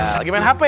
lagi main hp ya